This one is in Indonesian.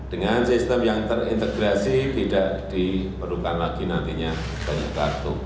dengan sistem yang terintegrasi tidak diperlukan lagi nantinya banyak kartu